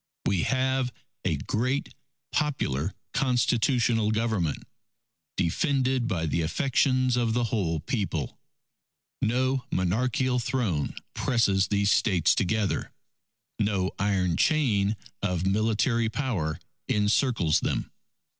We have a great, popular constitutional Government ... defended by the affections of the whole People. No monarchical throne presses these States together. No iron chain of military power encircles them.